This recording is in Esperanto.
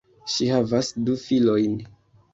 Ŝi havas du filojn.